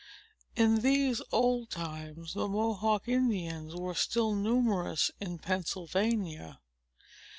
In these old times, the Mohawk Indians were still numerous in Pennsylvania.